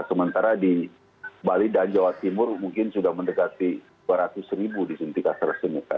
sementara di bali dan jawa timur mungkin sudah mendekati dua ratus ribu disuntik astrazeneca